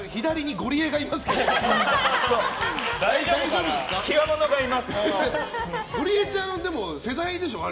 ゴリエちゃんは世代でしょ？